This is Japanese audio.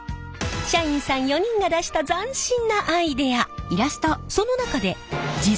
社員さん４人が出した斬新なアイデア。